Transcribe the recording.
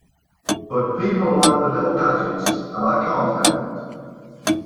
But people like the little gadgets and I can't help it...